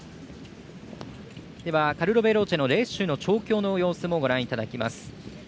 カルロヴェローチェの練習の調教の様子もご覧いただきます。